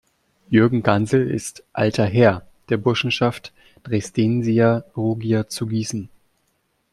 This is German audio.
Jürgen Gansel ist „Alter Herr“ der Burschenschaft Dresdensia-Rugia zu Gießen.